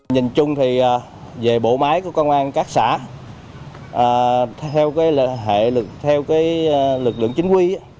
nhìn chung thì về bộ máy của công an các xã theo lực lượng chính quy